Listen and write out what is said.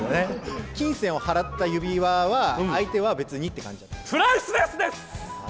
金銭を払った指輪は、相手は別にプライスレスです！